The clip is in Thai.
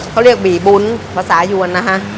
เขาเรียกบีบุ้นภาษาเยวนนะ